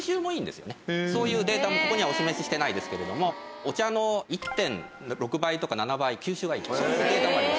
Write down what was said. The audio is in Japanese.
そういうデータもここにはお示ししてないですけれどもお茶の１．６倍とか１．７倍吸収がいいそういうデータもあります。